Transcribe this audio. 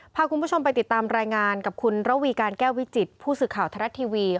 พาคุณผู้ชมไปติดตามรายงานกับคุณระวีการแก้ววิจิตผู้สื่อข่าวทรัฐทีวี